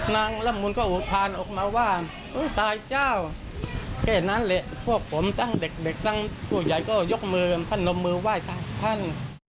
ละมุนก็อุดพานออกมาว่าตายเจ้าแค่นั้นแหละพวกผมตั้งเด็กตั้งผู้ใหญ่ก็ยกมือกันท่านนมมือไหว้ท่าน